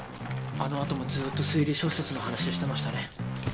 あのあともずっと推理小説の話してましたね。